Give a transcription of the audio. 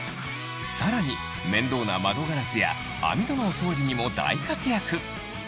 さらに面倒な窓ガラスや網戸のお掃除にも大活躍